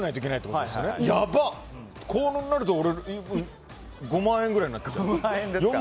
こうなると俺５万円くらいになっちゃう。